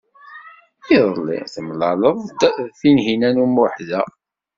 Iḍelli, temlaled-d Tinhinan u Muḥ da.